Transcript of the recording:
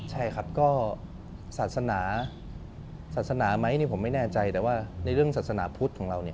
ใช่ครับก็ศาสนาศาสนาไหมเนี่ยผมไม่แน่ใจแต่ว่าในเรื่องศาสนาพุทธของเราเนี่ย